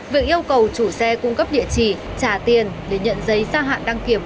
việc yêu cầu chủ xe cung cấp địa chỉ trả tiền để nhận giấy ra hạn đăng kiểm